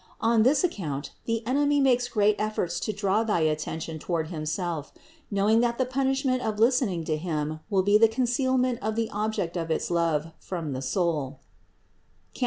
On this account the enemy makes great efforts to draw thy attention toward himself, knowing that the punishment of listening to him will be the con cealment of the object of its love from the soul (Cant.